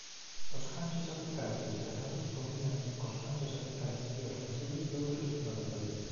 Os ganchos apicais despregados combínanse cos ganchos apicais e os flaxelos doutros espermatozoides.